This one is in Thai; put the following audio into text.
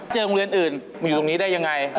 เจอโรงเรียนอื่นอยู่ตรงนี้ได้อย่างไร